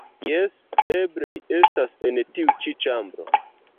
Jes, eble li estas en tiu ĉi ĉambro